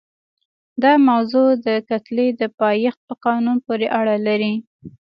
دا موضوع د کتلې د پایښت په قانون پورې اړه لري.